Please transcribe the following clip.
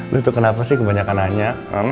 lu tuh kenapa sih kebanyakan nanya